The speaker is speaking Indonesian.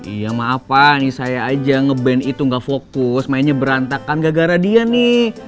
iya maaf pak ini saya aja nge band itu gak fokus mainnya berantakan gara gara dia nih